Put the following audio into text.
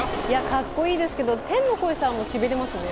カッコいいですけど、天の声さんにもしびれますね。